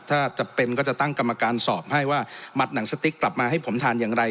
ถ้าจะเป็นก็จะตั้งกรรมการสอบให้ว่าหมัดหนังสติ๊กกลับมาให้ผมทานอย่างไร